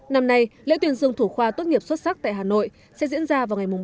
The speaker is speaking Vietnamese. năm nay lễ tuyên dương thủ khoa tốt nghiệp xuất sắc tại hà nội sẽ diễn ra vào ngày ba mươi